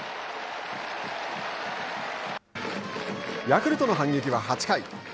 ヤクルトの反撃は８回。